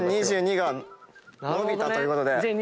「２０２２」が伸びたということで。